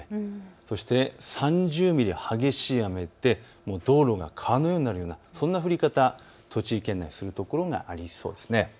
そして３０ミリは激しい雨で道路が川のようになるようなそんな降り方をするところがありそうです。